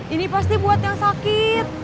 ini pasti buat yang sakit